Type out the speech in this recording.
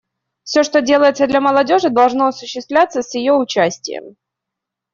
Все, что делается для молодежи, должно осуществляться с ее участием.